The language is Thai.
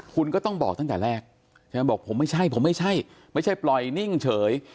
คุณก็ต้องบอกตั้งแต่แรกใช่ไหมบอกผมไม่ใช่ผมไม่ใช่ไม่ใช่ปล่อยนิ่งเฉย